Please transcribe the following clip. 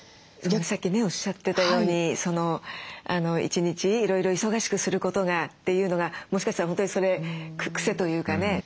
さっきねおっしゃってたように一日いろいろ忙しくすることがっていうのがもしかしたら本当にそれクセというかね